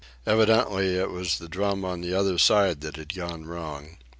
Evidently it was the drum on the other side that had gone wrong.